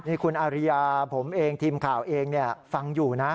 นี่คุณอาริยาผมเองทีมข่าวเองฟังอยู่นะ